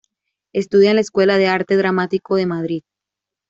Estudia en la Escuela de Arte Dramático de Madrid.